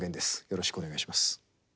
よろしくお願いします。